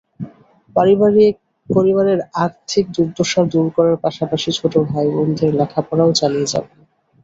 পরিবারের আর্থিক দুর্দশা দূর করার পাশাপাশি ছোট ভাইবোনদের লেখাপড়াও চালিয়ে যাবেন।